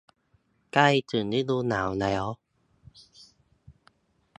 ใกล้ถึงฤดูหนาวแล้ว